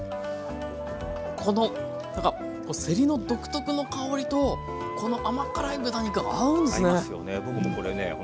このなんかせりの独特の香りとこの甘辛い豚肉合うんですね！